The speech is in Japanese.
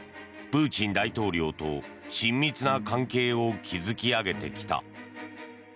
プーチン大統領と親密な関係を築き上げてきた。